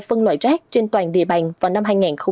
phân loại rác trên toàn địa bàn vào năm hai nghìn hai mươi